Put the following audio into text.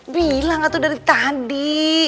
bilang itu dari tadi